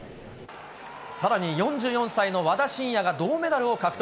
さらに４４歳の和田伸也が銅メダルを獲得。